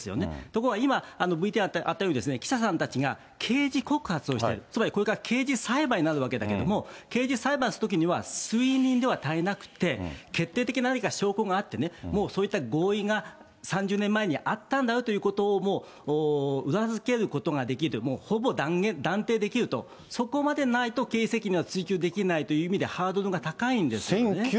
ところが今、ＶＴＲにあったように、記者さんたちが刑事告発をしている、つまりこれから刑事裁判になるわけだけれども、刑事裁判するときには、推認では足りなくて、決定的な何か証拠があってね、もうそういった合意が３０年前にあったんだろうということを裏付けることができる、もうほぼ断定できると、そこまでないと経営責任は追及できないと、ハードルが高いんです